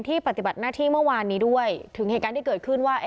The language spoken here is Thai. ปฏิบัติหน้าที่เมื่อวานนี้ด้วยถึงเหตุการณ์ที่เกิดขึ้นว่า